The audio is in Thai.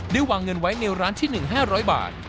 ได้วางเงินไว้ในร้านที่หนึ่งห้าร้อยบาท